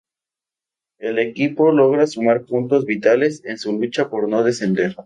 El equipo logra sumar puntos vitales en su lucha por no descender.